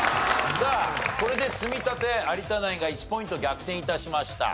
これで積み立て有田ナインが１ポイント逆転致しました。